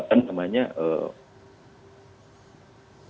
pemerintah menganggap akan terjadi